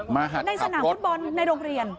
มาหัดขับรถในสนามฟุตบอลในโรงเรียน